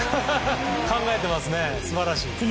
考えていますね、素晴らしい。